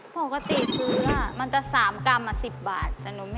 ปกติซื้อมันจะสามกำอ่ะ๑๐บาท